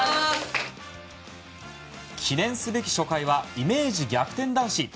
記念すべき初回はイメージ逆転男子。